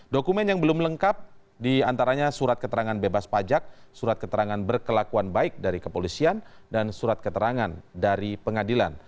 dokumen yang belum lengkap diantaranya surat keterangan bebas pajak surat keterangan berkelakuan baik dari kepolisian dan surat keterangan dari pengadilan